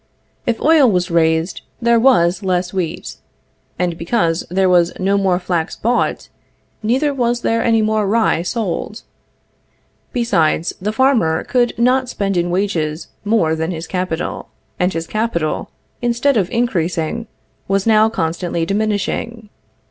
If oil was raised, there was less wheat; and because there was no more flax bought, neither was there any more rye sold. Besides, the farmer could not spend in wages more than his capital, and his capital, instead of increasing, was now constantly diminishing.